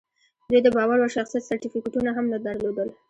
دوی د باور وړ شخصیت سرټیفیکټونه هم نه درلودل